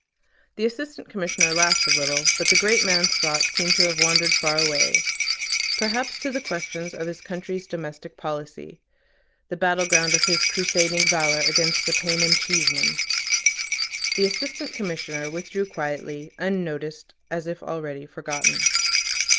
The Assistant Commissioner laughed a little; but the great man's thoughts seemed to have wandered far away, perhaps to the questions of his country's domestic policy, the battle ground of his crusading valour against the paynim Cheeseman. The Assistant Commissioner withdrew quietly, unnoticed, as if already forgotten.